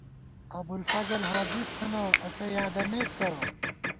ابُوالفضل ہاجِز تھنہ ، اسہ یادَمېت کرہ